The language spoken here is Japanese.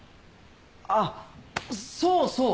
あっそうそう！